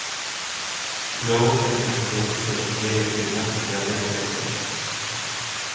Luego se licenció en Sociología y Doctrina social de la Iglesia.